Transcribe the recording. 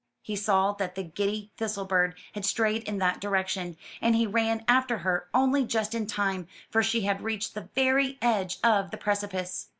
He saw that the giddy Thistlebird had strayed in that direction, and he ran after her only just in time, for she had reached the very edge of the precipice.